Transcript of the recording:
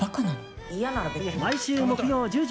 毎週木曜１０時